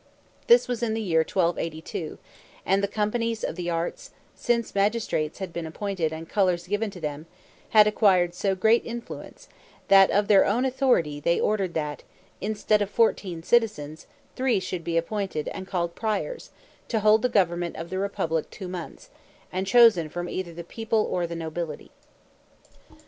This was in the year 1282, and the companies of the Arts, since magistrates had been appointed and colors given to them, had acquired so great influence, that of their own authority they ordered that, instead of fourteen citizens, three should be appointed and called Priors, to hold the government of the republic two months, and chosen from either the people or the nobility.